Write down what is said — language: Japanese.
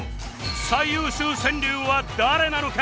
最優秀川柳は誰なのか？